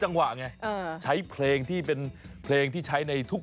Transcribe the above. เฮ้ยเฮ้ยเฮ้ยเฮ้ยเฮ้ยเฮ้ยเฮ้ยเฮ้ยเฮ้ยเฮ้ยเฮ้ยเฮ้ยเฮ้ยเฮ้ย